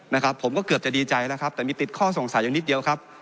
นะครับผมก็เกือบจะดีใจแล้วครับแต่มีติดข้อสงสัยอย่างนิดเดียวครับ